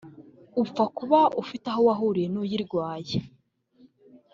upfa kuba ufite aho wahuriye n’uyirwaye